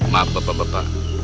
maaf pak pak pak pak